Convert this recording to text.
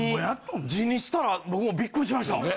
字にしたら僕もビックリしました。